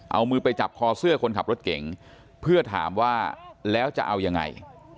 เอามือไปจับคอเสื้อคนขับรถเก่งเพื่อถามว่าแล้วจะเอายังไง